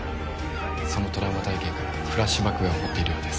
そのトラウマ体験からフラッシュバックが起こっているようです。